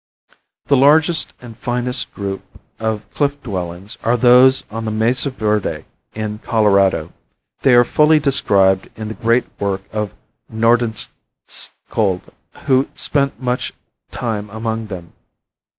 The largest and finest group of cliff dwellings are those on the Mesa Verde in Colorado. They are fully described in the great work of Nordenskiold, who spent much time among them.